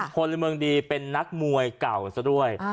พลเมืองดีเป็นนักมวยเก่าซะด้วย